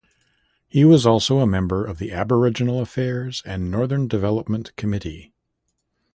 He was also a member of the Aboriginal Affairs and Northern Development committee.